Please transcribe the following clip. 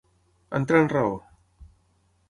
Entrar en raó.